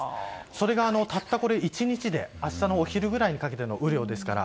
それがたった１日で明日のお昼ぐらいにかけての雨量ですから。